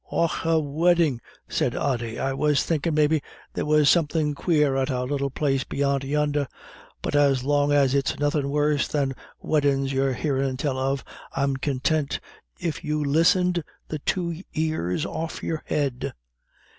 "Och, a weddin'," said Ody. "I was thinkin' maybe there was somethin' quare at our little place beyant yonder. But as long as it's nothin' worser than weddin's you're hearin' tell of, I'm contint, if you listened the two ears off your head."